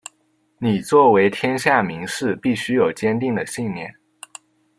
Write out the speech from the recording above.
你作为天下名士必须有坚定的信念！